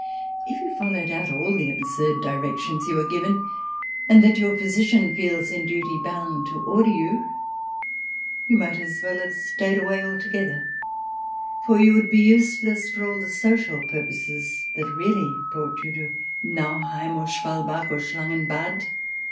If you followed out all the absurd directions you are given, and that your physician feels in duty bound to order you, you might as well have stayed away altogether, for you would be useless for all the social purposes that really brought you to Nauheim, or Schwalbach, or Schlangen Bad.